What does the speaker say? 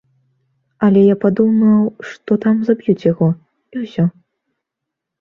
Але я падумаў, што там заб'юць яго, і ўсё.